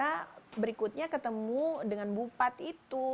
dan ternyata berikutnya ketemu dengan bupat itu